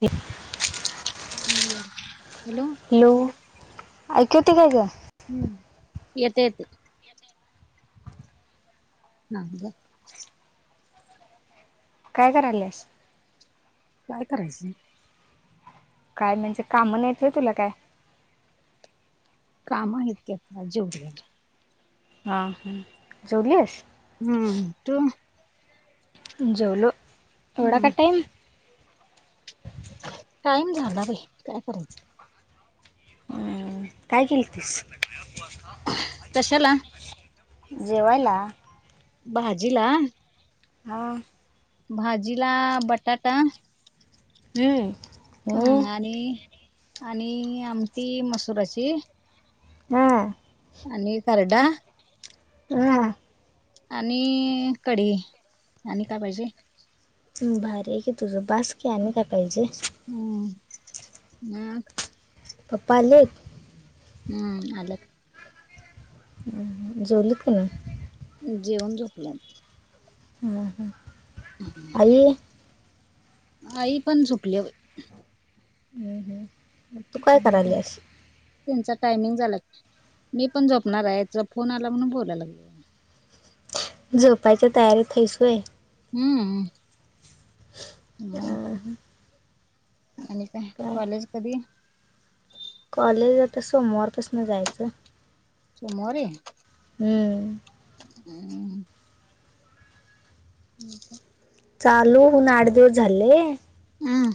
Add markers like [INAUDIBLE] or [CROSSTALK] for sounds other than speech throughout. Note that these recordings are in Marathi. हे हम्म यार, हॅलो. हॅलो, ऐकू येते काय ग? हम्म, येते येते. ना गं काय कराल्यास? काय करायच. काय म्हणजे काम नाहीत व्हय तुला काय? काम हायत की आता जेवतो बाई. हा हा जेवलीस? हम्म, तु? जेवलो, एवढा का हम्म टाईम? टाईम झाला बाई काय करायचं हम्म काय केलतीस? कशाला? जेवायला. भाजीला? हा! भाजीला बटाटा हम्म! हम्म आणि आणि आमटी मसुराची ह! आणि खरडा. [UNINTELLIGIBLE] आणि कढी आणि काय पाहिजे? सुन भारी आहे की तुझं बास की आणि काय पाहिजे? हम्म ह! पप्पा आलेत. हम्म आल्यात. हम्म जेवलीत का नाहीत? जेवून झोपल्यात ह ह, आई? आई पण झोपल्या बाई. हम्म हम्म,, तु काय कराल्यास. तेंचा टायमिंग झाला की मी पण झोपणार हाय तुझा फोन आला म्हणून बोलाय लागलोय. झोपायच्या तयारीत हायस व्हय? हम्म! अ मग हम्म! आणि काय कॉलेज कधी? कॉलेज आता सोमवार पसन जायचं. त मरो ये [UNINTELLIGIBLE] हम्. हम्म. हम्. चालू होउन आठ दिवस झाले. हम्.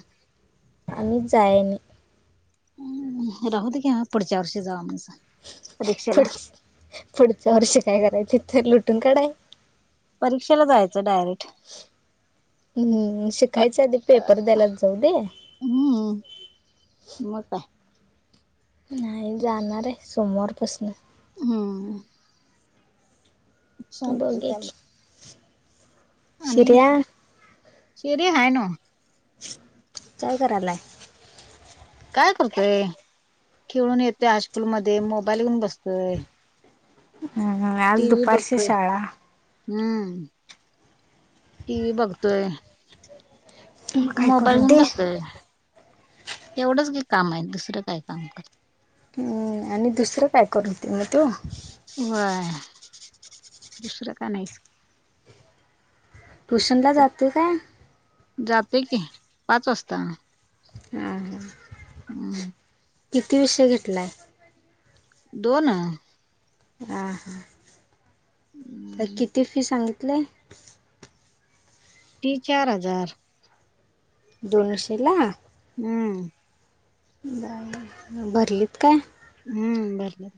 आणि जायनी राहदे की ह्या पुढच्या वर्षी जाऊ माग पुढ पुढच्या वर्षी काय करायचे तर लुटून काढाय. परीक्षेला जायचं डायरेक्ट हम्म शिकायच्या आधी पेपर द्यायलाच जाऊ दे. हम्म मंग काय. नाही जाणार ये सोमवारपसन हम्. चालते बघे की चालत. आणि शिर्या चेरी आहे नो काय करायलाय? काय करतोय खेळून येतय हायस्कूल मध्ये मोबाईल घेऊन बसतोय. हम् हम् ह. टिव्ही बघतोय. हम् टिव्ही बघतोय. मग काय मोबाईल करू घऊन दे बसतय. एवढंच गे काम आहे दुसरं काय काम करत. हम्म आणि दुसरं काय करतो तो. वय दुसरं काय नाहीच. ट्यूशनला जातोय का? जातोय की पाच वाजता. हम्. हम्म. किती विषय घेतलाय. दोन अ ह हां तर हम्म. किती फी सांगितलंय. फी चार हजार दोनशेला. हम्म. बाई [INAUDIBLE] भरलीत काय. हम्म भरली.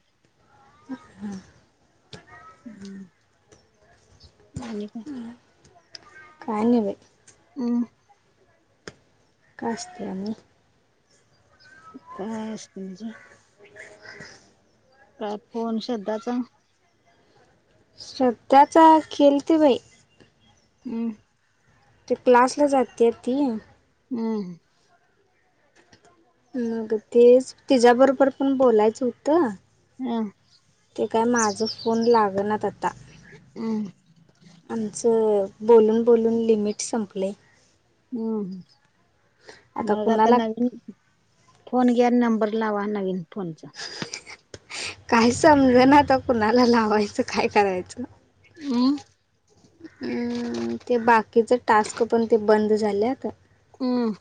ह हा. हम्म. आणि काय [INAUDIBLE] काय नाही बाई हम्. काय असतं अणी? काय असत मंजे? [INAUDIBLE] काय फोन श्रद्धाचा? श्रधाचा केलती होय. हम्म.. ते क्लासला जाते ती. हम्म. अग तेच तिच्या बरोबर पण बोलायचं होतं. हम्म. ते काय माझं फोन लागनात आता. हम्म. आमचं बोलून, बोलून लिमेट संपलय. हम्म, हम्म मग आता नवीन फोन घ्या नंबर लावा नवीन फोनचा. काही समजेना तर कुणाला लावायचं काय करायचं. हम्म. हम्म ते बाकीच टास्क पण ते बंद झाले आता. हम्म.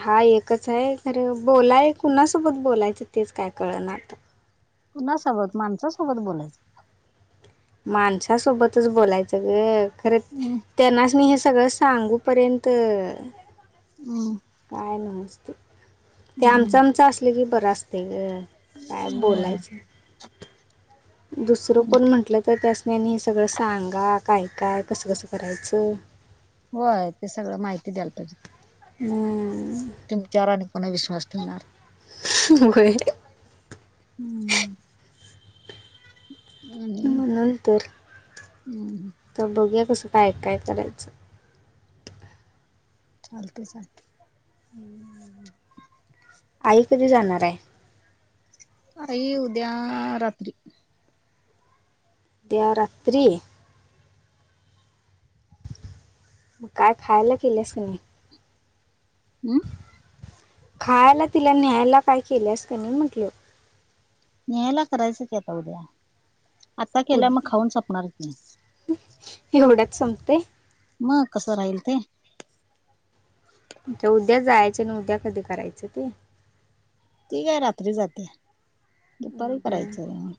हा एकच आहे खरं बोलाय कुणासोबत बोलायचं तेच काय कळेणा आता. कुणा सोबत? माणसासोबत बोलायचं. माणसासोबतच बोलायचं गं खरं हम्म त्यांनासनी हे सगळं सांगूपर्यंत हम्म. काय नसते ते हम्म आमचं, आमचं असल की बरं असतय गं. काय होय बोलायचं दुसरं तुम- कोण म्हंटलं तर त्या नाही हे सगळं सांगा काय, काय, कस, कस करायचं. होय ते सगळं माहिती द्यायला पाहिजे. हम्म. तुमच्यावर आणि कोणी विश्वास ठेवणार? होय हम्म. म्हणून तर. हम [UNINTELLIGIBLE] तर बघू या कस काय, काय, करायचं. चालतंय, चालतंय. आई कधी जाणार आहे. आई उद्या आ रात्री. उद्या रात्री. काय खायला केलंस का नाही? हम् खायला तिला न्यायला काय केलं असं नाही म्हटल? न्याहायला करायचं की आता उद्या आता केल्यावर मग उद खाऊन संपणार की. एवढ्यात संपते? मग कसं राहील ते. उद्या जायचं आणि उद्या कधी करायचं ते? ती काय रात्री जाते. दुपारी करायचंय.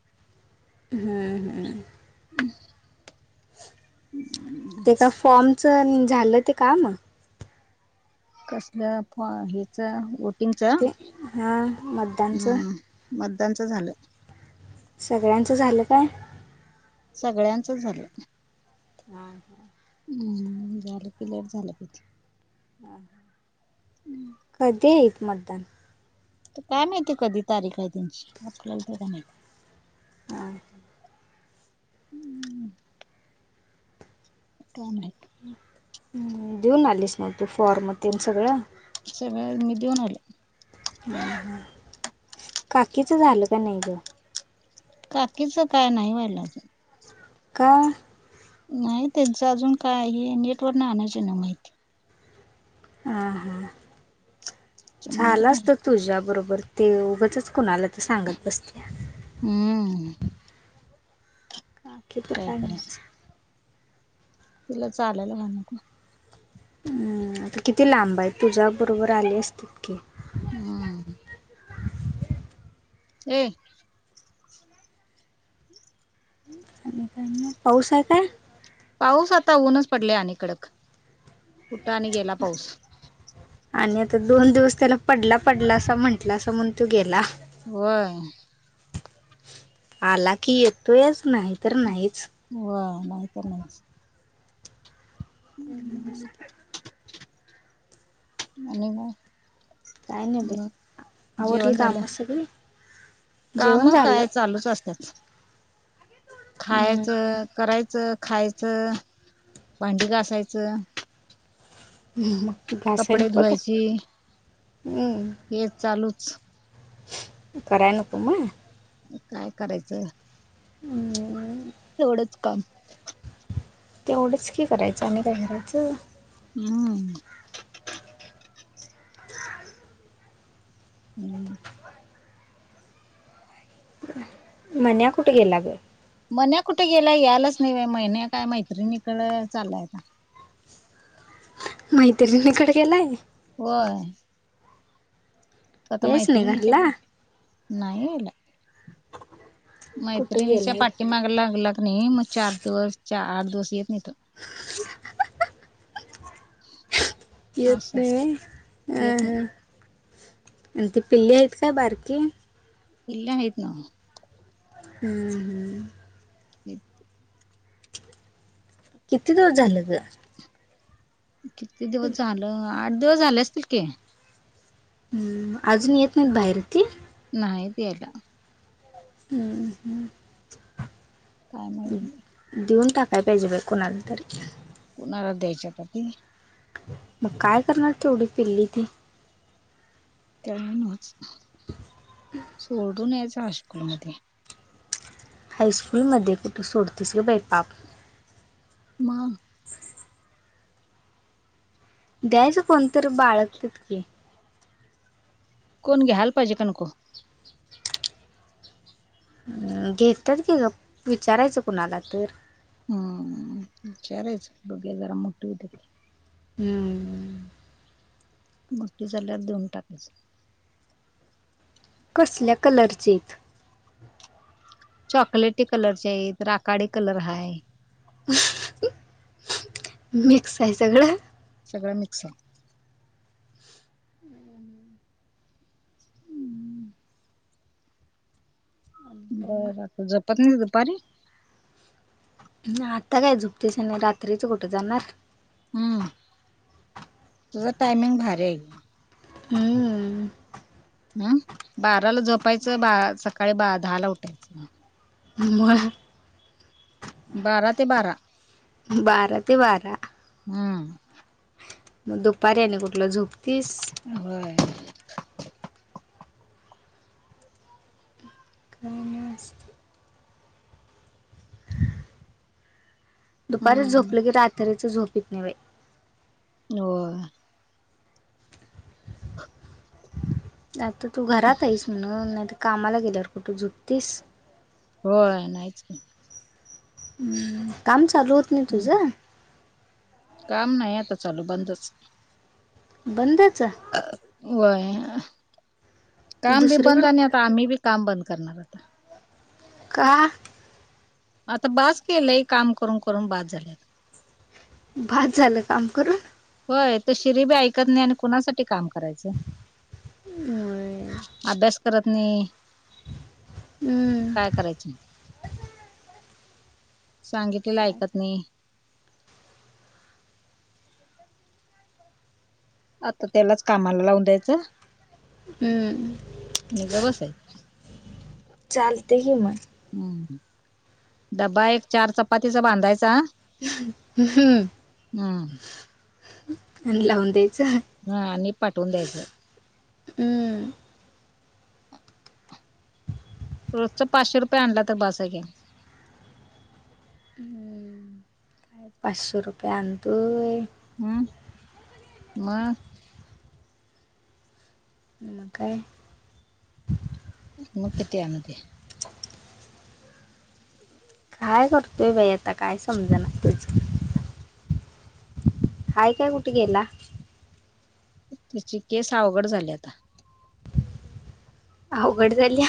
हम्म. तिचा फॉर्मच झालं ते काम? कसल्या फॉर हिचा ते हा मतदानचं? मतदानचं झालं. सगळ्यांचं झालं काय? सगळ्यांचच झालं. हां! हम् झालं की लेट झालं किती. हा! कधी आहेत मतदान? काय माहिती कधी तारीख आहे त्यांची आपल्याला काय नाही माहिती. हा! हम्म! काय माहित. देऊन आलीस म तु फॉर्म तेंन सगळं? सगळं मी देऊन आलो. काकीच झालं का नाही ग? काकीच काय न्हाय व्हायला अजून. का? नाही त्यांचं अजून काय आहे नेटवर न आणायचं येईना माहिती. हा हा त्याच्यामुळं झालं नाही असत तुझ्या बरोबर ते उगच्चच कुणाला तर सांगत बसत्या. हम्म! काकीच तर काय नव्हच. तिला चालायला म्हणू नका. हम्म, आता किती लांब हाय तुझ्या बरोबर आले असतेत की. हा! ये आणि काय मग पाऊस हाय काय? पाऊस आता उनच पडले आणि कडक कुठ आणि गेला पाऊस. आणि आता दोन दिवस त्याला पडला पडला असा म्हण्टलासा म्हणून तो गेला. व्हय. आला की येतोयच नाही तर नाहीच. व्हय नाही तर नाहीच. हम्म! आणि काय? काय न्हाय बाई आवरली जेवण झालं काम सगळी? काम जेवण झालं काय चालूच असत्यात हम्म खायाचं करायचं खायचं भांडी घासायचं मग घासाय कपडे नकोत हम्म! हेच चालूच. कराय नको म? काय करायचं. हम्म! एवढंच काम. तेवढंच की करायचं आणि काय करायचं. ह. हम्म [INAUDIBLE] मन्या कुठ गेला ग? मन्या कुठ गेला यायलाच नाही, मैंन्या काय मैत्रीणी कड चाललाय आता. मैत्रिणीकड गेलाय? व्हय. तो आता यायच नाही मैत्रिणीची घरला पणं, नाही याला. कुठे मैत्रिणीच्या गेलाय पाठी माग लागला का नाही, मग चार दिवस, चा आठ दिवस येत नाही तो. [INAUDIBLE] येत असं नाही आहे व्हय येत हा नाही हा आणि ती पिल्ली आहेत काय बारकी? पिल्ली हायीत न्हव. हू हू. निेत [INAUDIBLE] किती दिवस झाल ग? किती दिवस झालं? आठ दिवस झाल असतील की. आजून येत नाहीत बाहेर ती? नाहीत यायला. हू हू. काय? माहित नाही दिऊून टाकाय पाहिजे बाई कुणाला तर. कुणाला द्यायच्या कती? मग काय करणार तेवढी पिल्ली ती? काय न्हवच्, सोडून यायच हायशकूल मध्ये. हायस्कूलमध्ये कुठं सोडतीस? ग बाई पाप! म्हा द्यायचं कोणतरी बाळगत्यात कीे कोण घ्याल पाहिजे काय नको? अ घेत्यात की ग, विचारायचं कुणाला तर? हम ईचारायच बघुया जरा मोठी होवू दे की. हुं. मोठी झाल्यावर दिवून टाकायच. कसल्या कलरचीत? चॉकलेटी कलर ची हायित, राकाडी कलरची हाय. मिक्स हाय सगळं. सगळं मिक्स हाय. मग बर, झोपत नाही दुपारी? आता काय झुपतीस आणि रात्रीच कुठ जाणार? हुं. तुझा टायमिंग भारी हाय की हूम्. हा बाराला झोपायच, बा सकाळी दहा ला उठायचं. [INAUDIBLE] म. बारा ते बारा. बारा ते बारा. हा. मग दुपारी आणि कुठलं झोपतीस. व्हय. काई नई, असं दुपारीच हम्म झोपलं की, रात्रीच झोप येत नाई बाई. हो. आता तू घरात आहिस म्हणून, नाही त कामाला गेल्यावर कुठं झोपतीस? होय नाहीच कीं. काम चालू होत नाही तुझं? काम नाही आता चालू, बंदच. बंदच? व्हय काम बी बंद, दुसरीकडं आणि अ त आम्ही बी काम बंद करणार आता. काहा?? आता बास केलंय, काम करून-करून बास झालं. बास झालं काम करून? व्हय त शिरी बी ऐकत नाही आणि कुणासाठी काम करायचं? हम्म. अभ्यास करत नाही, काय करायचं? सांगितलेलं ऐकत नही. आता त्यालाच कामाला लावून द्यायचं. हम्म. नी बस ये. चालते की मग. हम्म, डब्बा एक चार चपातीचा बांधायचा हम् हम्म अन लावून द्यायचं. हा नि पाठवून द्यायच. हम्म. रोजच पाचशे रुपये आणला तर, बसा हाय की. ह्म, पाचशे रुपये आणतोय. हम्, मग? नम, काय? मग किती आणते? काय करतोय बाई आता, काय समजाणा तुझ. हाय काय कुठ गेला? तीची केस अवघड झाली, आता. अवघड झालिया.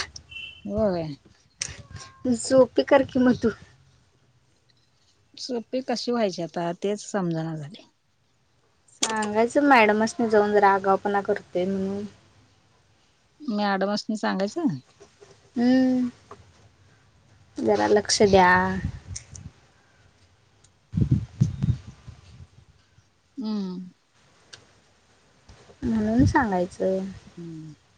होय. सोपी करकी म तू. सोपी कशी व्हायची आता, तेच समजना झालय. सांगायचं मॅडमासनी जाऊन, जरा आगाऊपणा करतोय म्हणून. मॅडमास्नी सांगायचं? हं, जरा लक्ष द्या. [INAUDIBLE] हम्म. म्हणून सांगायचं. हम्म.